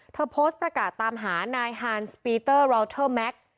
โพสต์ประกาศตามหานายฮานสปีเตอร์รอเทอร์แม็กซ์